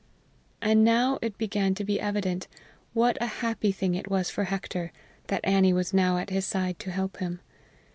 And now it began to be evident what a happy thing it was for Hector that Annie was now at his side to help him.